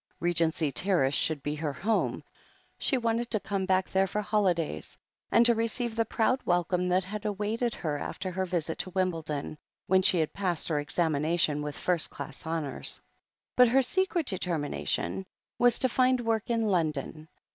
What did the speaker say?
Regency Terrace should be her home; she wanted to come back there for holidays, and to receive the proud welcome that had awaited her after her visit to Wimbledon, when she had passed her examination with first class honours. But her secret determination was to find work in London.